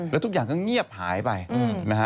แล้วทุกอย่างก็เงียบหายไปนะฮะ